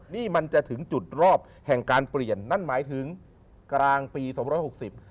นี่มันจะถึงจุดรอบแห่งการเปลี่ยนนั่นหมายถึงกลางปี๒๖๐